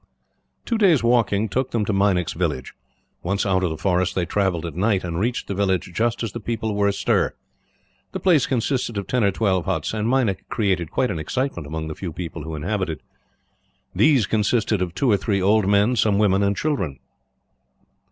Two days' walking took them to Meinik's village. Once out of the forest they travelled at night, and reached the village just as the people were astir. The place consisted of ten or twelve huts, and Meinik created quite an excitement among the few people who inhabited it. These consisted of two or three old men, some women, and children.